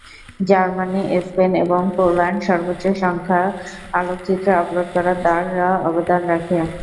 Germany, Spain এবং Poland সর্বোচ্চ সংখ্যাক আলোকচিত্র আপলোড করার দ্বারা অবদান রাখে।